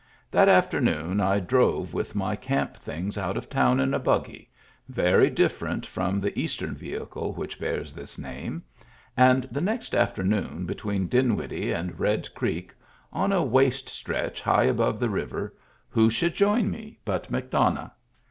That afternoon I drove with my camp things out of town in a "buggy," — very different from the Eastern vehicle which bears this name, — and the next afternoon between Dinwiddle and Red Creek, on a waste stretch high above the river, who should join me but McDonough.